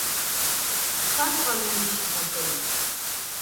Çaçxa lumcişi taseri…